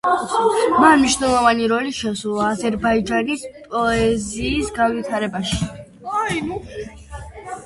მან მნიშვნელოვანი როლი შეასრულა აზერბაიჯანის პოეზიის განვითარებაში.